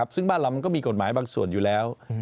ซึ่งบ้านเรามันก็มีกฎหมายบางส่วนอยู่แล้ว